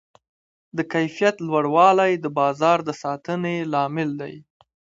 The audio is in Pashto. د کیفیت لوړوالی د بازار د ساتنې لامل دی.